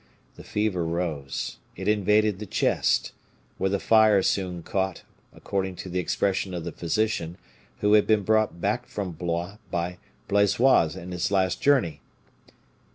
The fever rose: it invaded the chest, where the fire soon caught, according to the expression of the physician, who had been brought back from Blois by Blaisois at his last journey.